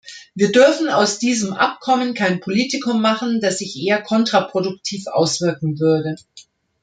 Wir dürfen aus diesem Abkommen kein Politikum machen, das sich eher kontraproduktiv auswirken würde.